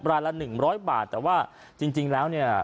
ร้านละหนึ่งร้อยบาทแต่ว่าจริงแล้วเนี่ย